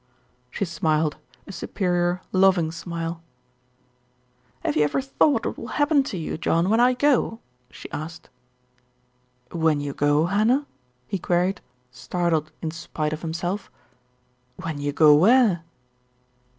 She smiled, a superior, loving smile. THE VICAR DECIDES TO ACT 61 "Have you ever thought what will happen to you, John, when I go?" she asked. "When you go, Hannah?" he queried, startled in spite of himself. "When you go where?"